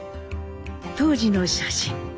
当時の写真。